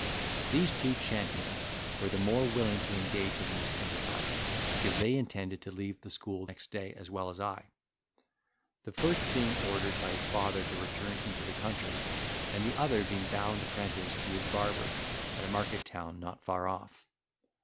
These two champions were the more willing to engage in this enterprise, because they intended to leave the school next day, as well as I; the first being ordered by his father to return into the country, and the other being bound apprentice to his barber, at a market town not far off.